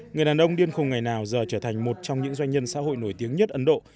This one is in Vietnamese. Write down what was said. người đàn ông điên ngày nào giờ trở thành một trong những doanh nhân xã hội nổi tiếng nhất ấn độ